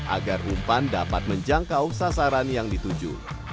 agar umpan dapat menjangkau sasaran yang dituju